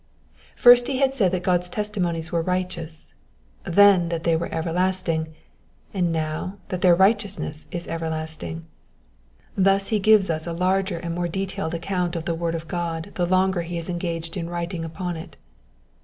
'*^ First he had said that God's testimonies were righteous, then that they were everlasting, and now that their righteousness is everlasting. Thus he gives us a larger and more detailed account of the word of God the longer he is engaged in writing upon it.